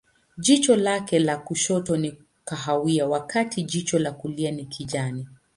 Jicho lake la kushoto ni kahawia, wakati jicho la kulia ni kijani.